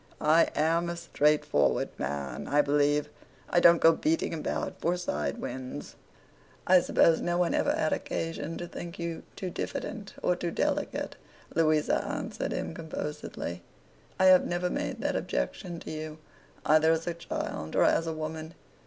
I am a straightforward man, I believe. I don't go beating about for side winds.' 'I suppose no one ever had occasion to think you too diffident, or too delicate,' Louisa answered him composedly: 'I have never made that objection to you, either as a child or as a woman.